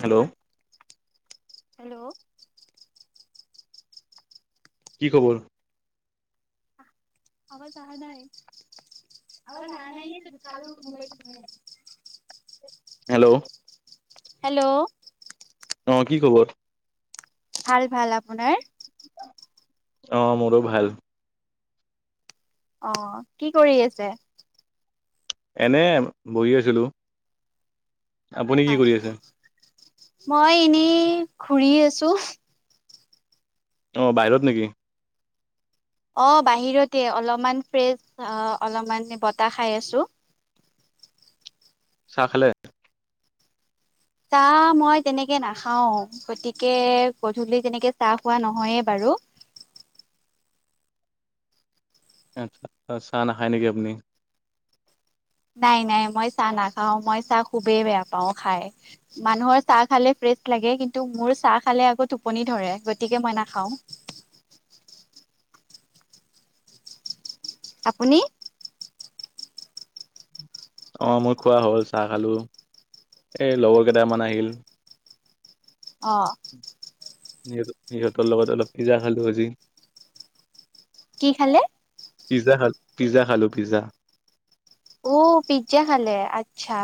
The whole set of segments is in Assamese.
হেল্ল' হেল্ল' কি কবনো আৱাজ আহা নাই হেল্ল' হেল্ল' অ কি খবৰ ভাল ভাল আপোনাৰ অ মোৰো ভাল অ কি কৰি আছে এনেই বহি আছিলো আপুনি কি হয় কৰি আছে মই এনেই ঘূৰি আছো অ বাহিৰত নেকি অ বাহিৰতে অলপমান ফ্ৰেছ অলপমান বতাহ খাই আছো চাহ খালে চাহ মই তেনেকে নাখাও গতিকে গধূলি তেনেকে চাহ খোৱা নহয়ে বাৰু হেল্ল' আচ্ছা চাহ নাখায় নেকি আপুনি নাই নাই মই চাহ নাখাও মই চাহ খুবেই বেয়া পাওঁ খাই মানুহৰ চাহ খালে লাগে কিন্তু মোৰ চাহ খালে আকৌ টোপনি ধৰে গতিকে মই নাখাও আপুনি অ মোৰ খোৱা হ'ল চাহ খালো এই লগৰ কেইটামান আহিল অ সহত সিহঁতৰ লগত অলপ পিজ্জা খালো আজি কি খালে পিজ্জা পিজ্জা খালো পিজ্জা অ পিজ্জা খালে আচ্ছা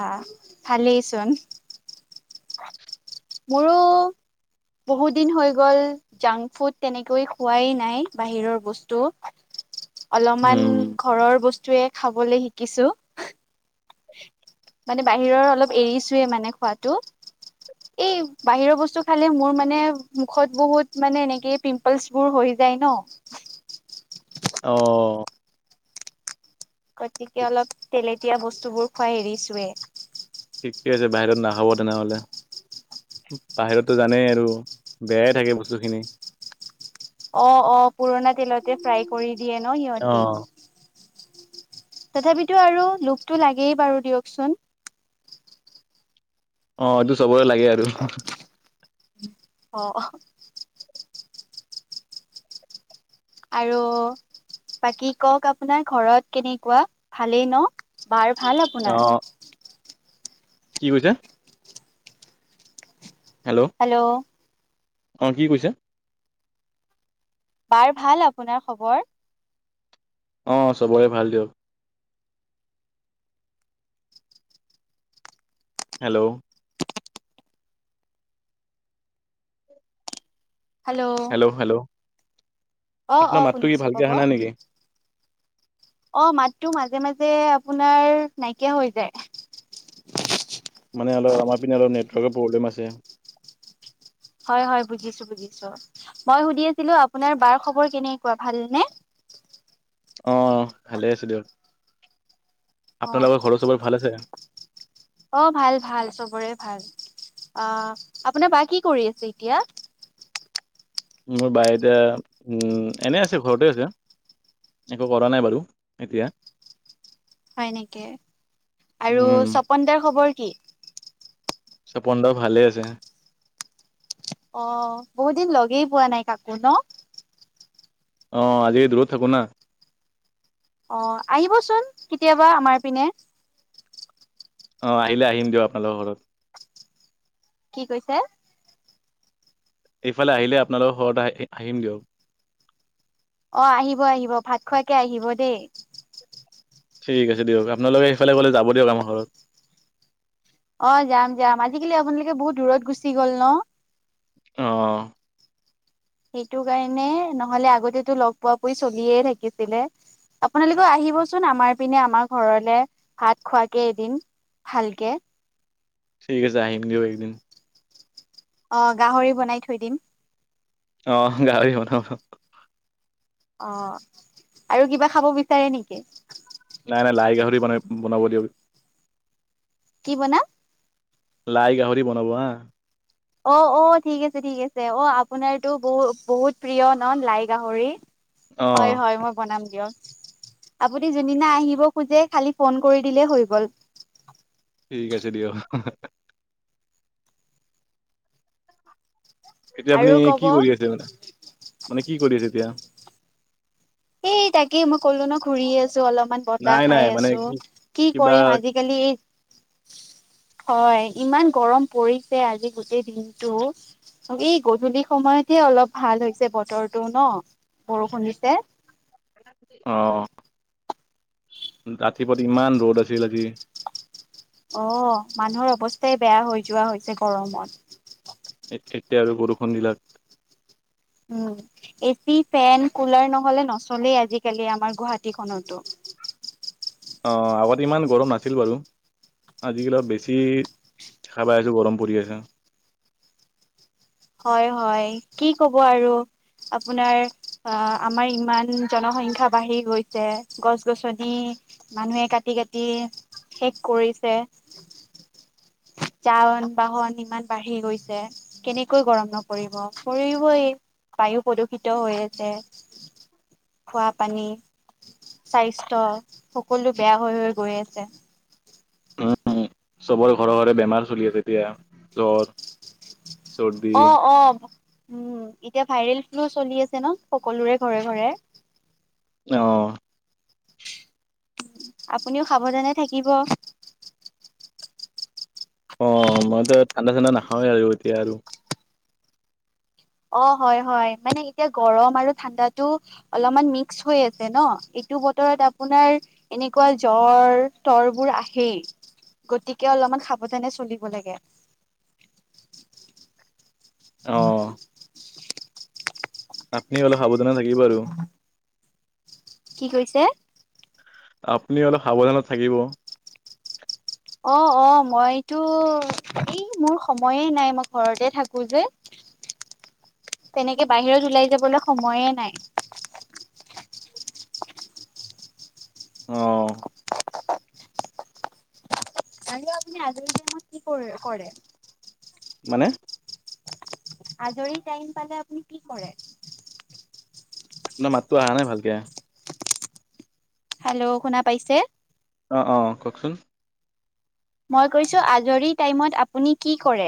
ভালেইচোন মোৰ বহুত দিন হৈ গ'ল জাংক ফুড তেনেকৈ খোৱাই নাই বাহিৰৰ বস্তু অলপমান উম ঘৰৰ বস্তুৱয়ে খাবলৈ শিকিছো মানে বাহিৰৰ অলপ এৰিছোয়ে মানে খোৱাটো এই বাহিৰৰ বস্তু খালে মোৰ মানে মুখত বহুত মানে এনেকে পিম্পলচ বোৰ হৈ য যাই ন অ গতিকে অলপ তেলেতীয়া বস্তুবোৰ খুৱা এৰিচোৱে ঠিকে আছে বাহিৰত নাখাব তেনেহলে বাহিৰতো জানেই আৰু বেয়াই থাকে বস্তু খিনি অ অ পুৰণা তেলতে ফ্ৰাই কৰি দিয়ে ন অ সিহঁতি তথাপিতো আৰু লোভটো লাগেই বাৰু দিয়কচোন অ এইটো চবৰে লাগে আৰু অ আৰু বাকী কওক আপোনাৰ ঘৰত কেনেকুৱা ভালেই ন'? বাৰ ভাল অ আপোনাৰ? কি কৈছে? হেল্ল'। অ' কি কৈছে? বাৰ ভাল আপোনাৰ খবৰ? অ' চবৰে ভাল দিয়ক। হেল্ল'। হেল্ল'। অ', আপোনাৰ অ' মাতটো কি শুনিছোঁ ভালকে ক'ব। অহা নাই নেকি? অ' মাতটো মাজে মাজে যে আপোনাৰ নাইকিয়া হৈ যায়। মানে অলপ আমাৰ পিনে অলপ নেটৱৰ্কৰ প্ৰব্লেম আছে। হয় হয় বুজিছোঁ, বুজিছোঁ। বাৰু সুধি আছিলোঁ আপোনাৰ বাৰ খবৰ কেনেকুৱা ভালনে? অ' ভালে আছোঁ দিয়ক। অ আপোনালোকৰ ঘৰৰ চবৰে ভাল আছে? অ' ভাল ভাল, চবৰে ভাল। আ, আপোনাৰ বা কি কৰি আছে এতিয়া? মোৰ বাই এতিয়া উ, এনে আছে ঘৰতে আছে। একো কৰা নাই বাৰু এতিয়া। হয় নেকি আৰু উম, ছপন দাৰ খবৰ কি? ছপন দা ভালে আছে। অ' বহুত দিন লগেই পোৱা নাই কাকোঁ ন'? অ' আজি দূৰত থাকোঁ না। অ' আহিবচোন কেতিয়াবা আমাৰ পিনে। অ' আহিলে আহিম দিয়ক আপোনালোকৰ ঘৰত। কি কৈছে? এইফালে আহিলে আপোনালোকৰ ঘৰত আ, আহিম দিয়ক। অ' আহিব আহিব, ভাত খোৱাকে আহিব দেই। ঠিক আছে দিয়ক। আপোনালোকে এইফালে গ'লে যাব দিয়ক আমাৰ ঘৰত। অ' যাম যাম। আজিকালি আপোনালোকে বহুত দূৰত গুচি গ'ল ন'? অ'। সেইটো কাৰণে, নহ'লে আগতেতো লগ পোৱ পুৱি চলিয়ে থাকিছিলে। আপোনালোকে আহিবচোন আমাৰ পিনে, আমাৰ ঘৰলে, ভাত খোৱাকে এদিন। ভালকে। ঠিক আছে আহিম দিয়ক একদিন। অ' গাহৰি বনাই থৈ দিম। অ' গাহৰি বনাব। অ' আৰু কিবা খাব বিচাৰে নেকি? নাই নাই, লাই গাহৰি বনাই বনাব দিয়ক। কি বনাম? লাই গাহৰি বনাব হা। অ', অ' ঠিক আছে ঠিক আছে, অ' আপোনাৰতো বহু-বহুত প্ৰিয় ন' লাই গাহৰি? অ হয় হয় মই বনাম। দিয়ক। আপুনি যোনদিনা আহিব খোজে খালি ফোন কৰি দিলে হৈ গ'ল। ঠিক আছে দিয়ক। এতিয়া আপুনি আৰু কি ক'ব কৰি আছে মানে, মানে কি কৰি আছে এতিয়া? এ, তাকেই মই ক'লো না ঘূৰিয়ে আছোঁ। চ' অলপমান বতাহ নাই খাই নাই মানে আছোঁ। কি কি কিবা কৰিম আজিকালি হয় ইমান গৰম পৰিছে আজি গোটেই দিনতটো। এই গধূলি সময়তহে অলপ ভাল হৈছে বতৰটো ন' বৰষুণ দিছে। অ। ৰাতিপুৱা ইমান ৰ'দ আছিল আজি। অ মানুহৰ অৱস্থাই বেয়া হৈ যোৱা হৈছে গৰমত। এ-এতিয়া আৰু বৰষুণ দিলাক। উম এচি, ফেন, কুলাৰ নহ'লে নচলেই আজিকালি আমাৰ গুৱাহাটীখনতো। অ আগতে ইমান গৰম নাছিল বাৰু। আজিকালি অলপ বেছি দেখা পাই আছো গৰম পৰি আছে। হয় হয় কি কব আৰু। আপোনাৰ অ আমাৰ ইমান জনসংখ্যা বাঢ়ি গৈছে। গছ-গছনি মানুহে কাটি কাটি শেষ কৰিছে। যান-বাহন ইমান বাঢ়ি গৈছে। কেনে কৈ গৰম নপৰিব, পৰিবই। বায়ু প্ৰদূষিত হৈ আছে। খোৱা পানী। স্বাস্থ্যয় সকলো বেয়া হৈ হৈ গৈ আছে। চবৰে ঘৰে ঘৰে বেমাৰ চলি আছে এতিয়া, জ্বৰ, চৰ্দি অ অ। উম এতিয়া ভাইৰেল ফ্লু চলি আছে ন, সকলোৰে ঘৰে ঘৰে। অ। আপুনিও সাৱধানে থাকিব। অ মইতো ঠাণ্ডা ঠাণ্ডা নাখাওঁৱেই আৰু এতিয়া আৰু। অ হয় হয় মানে এতিয়া গৰম আৰু ঠাণ্ডাটো অলপমান মিক্স হৈ আছে ন। এইটো বতৰত আপোনাৰ এনেকুৱা জ্বৰ-তৰবোৰ আহেই। গতিকে অলপমান সাৱধানে চলিব লাগে। [unintelligible] অ [unintelligible] আপুনি অলপ সাৱধানে থাকিব আৰু। কি কৈছে? আপুনি অলপ সাৱধানত থাকিব। অ অ মইতো এই মোৰ সময়ে নাই মই ঘৰতে থাকো যে। [inaudible] তেনেকে বাহিৰত ওলাই যাবলৈ সময়ে নাই আহ। আৰু আপনি আজাৰি টিমত কি কৰে- কৰে? মানে? আজৰি টাইম পালে আপুনি কি কৰে? আপোনাৰ মাতো অহা নাই ভালকে। হেল্ল' শুনা পাইছে? অ অ কওকচোন। মই কৈছো আজৰি টাইমত আপুনি কি কৰে?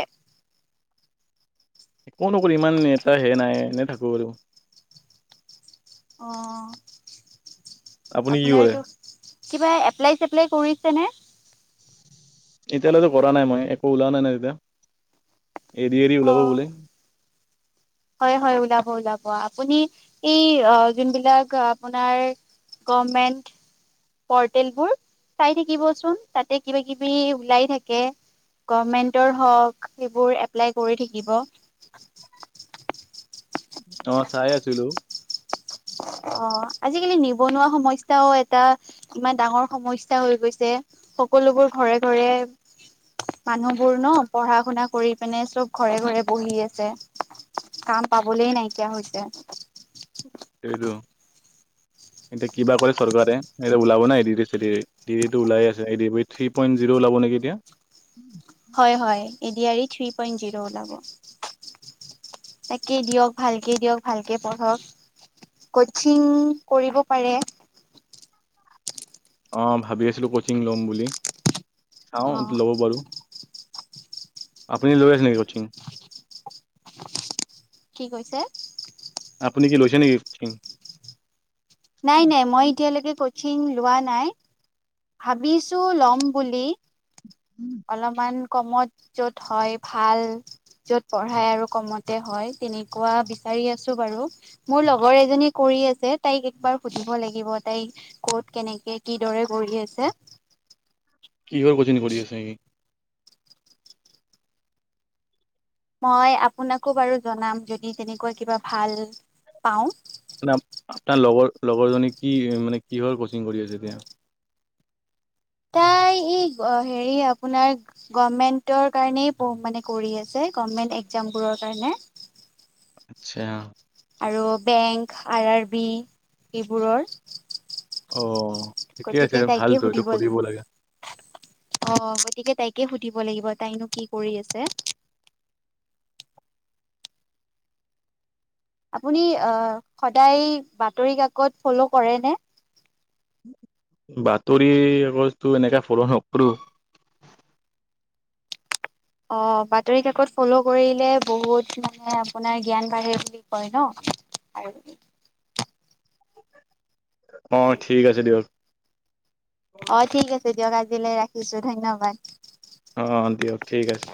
একো নকৰ ইমান এটা হে নাই এনেই থাকো আৰু। অ আপুনি কি কৰে আপোনাৰতো, কিবা এপ্লাই-চেপ্লাই কৰি ছেনে এতিয়ালৈ কৰা নাই মই, একো ওলোৱা নাই না এ। এদি আৰি ওলাব অ', বুলে। হয় হয় ওলাব ওলাব আপুনি এই যোনবিলাক আপোনাৰ। গমেণ্ট পৰ্টেল বোৰ চাই থাকিবচোন তাতে কিবা কিবি ওলাই থাকে। গমেণ্টৰ হওক সেইবোৰ এপ্লাই কৰি থাকিব। অ চাই আছিলো। অ আজিকালি নিবনুৱা সমস্যাও এটা ইমান ডাঙৰ সমস্যা হৈ গৈছে। সকলোবোৰ ঘৰে ঘৰে মানুহবোৰ ন পঢ়া শুনা কৰি পিনে চব ঘৰে ঘৰে বহি আছে কাম পাবলৈ নাইকিয়া হৈছে এইটো এতিয়া কিবা কৰে চৰকাৰে এতিয়া ওলাব নাই ওলাই আছে থ্ৰী পইট জিৰ' ওলাব নাই তিয়া হয় হয় A D R E three point zero ওলাব তাকেই দিয়ক ভালকে দিয়ক ভালকে পঢ়ক কচিং কৰিব পাৰে অ ভাবি আছিলো কচিং লম বুলি চাওঁ অ ল'ব পাৰো আপুনি লৈ আছে নেকি কচিং কি কৈছে আপুনি কি লৈছে নেকি কোচিং নাই নাই মই এতিয়া লৈকে কোচিং লোৱা নাই ভাবিছো লম বুলি অলপমান অলপমান কমত য'ত হয় ভাল যত পঢ়াই আৰু কমতে হয় তেনেকুৱা বিচাৰি আছো বাৰু মোৰ লগৰ এজনী কৰি আছে তাইক একবাৰ সুধিব লাগিব তাই ক'ত কেনেকে কিদৰে কৰি আছে চে কিহৰ আছে নেকি মই আপোনাকো বাৰু জনাম যদি তেনেকুৱা কিবা ভাল পাওঁ আপোনাৰ লগৰ লগৰজনী কি মানে কিহৰ কচিং কৰি আছে এতিয়া তাই এই হেৰি আপোনাৰ গভমেন্টৰ কাৰণেই মানে কৰি আছে গভ্মেন্ত একজাম বোৰৰ কাৰণে আত্ছা আৰু বেংক আৰ আৰ বি এইবোৰৰ অ ঠিকে আছে গতিকে তাইকে ভালতো এইটো সুধিব কৰিব লাগিব লাগে অ গতিকে তাইকে সুধিব লাগিব তাইনো কি কৰি আছে আপুনি সদায় বাতৰি কাকত ফ'ল' কৰে নে বাতৰি কাকত টো এনেকে ফলো নকৰোঁ অ বাতৰি কাকত ফ'ল' কৰিলে বহুত মানে আপোনাৰ জ্ঞান বাঢ়ে বুলি কয় ন আৰু [inaudible] অ ঠিক আছে দিয়ক অ ঠিক আছে দিয়ক আজিলৈ ৰাখিছোঁ ধন্যবাদ অ দিয়ক ঠিক আছে